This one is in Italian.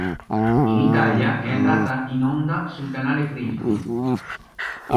In Italia è andata in onda sul canale Frisbee.